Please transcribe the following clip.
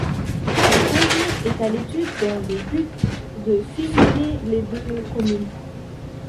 Un projet est à l'étude dans le but de fusionner les deux communes.